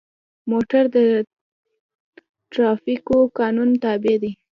موټر د ټرافیکو قانون تابع دی.